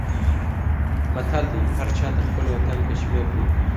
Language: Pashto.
متل دی: هر چاته خپل وطن کشمیر دی.